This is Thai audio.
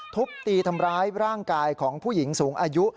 ทุบตีทำร้ายร่างกายของผู้หญิงสูงอายุ